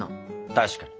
確かに。